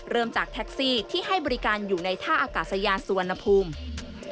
เริ่มจากแท็กซี่ที่ให้บริการอยู่ในท่าอากาศยานสุวรรณภูมิ